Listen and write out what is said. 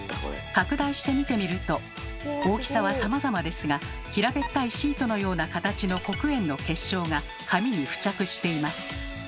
拡大して見てみると大きさはさまざまですが平べったいシートのような形の黒鉛の結晶が紙に付着しています。